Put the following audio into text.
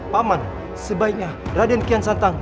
paman sebaiknya raden kian satang